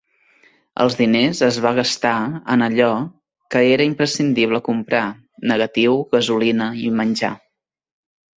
Els diners es va gastar en allò que era imprescindible comprar: negatiu, gasolina i menjar.